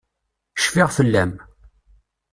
Cfiɣ fell-am.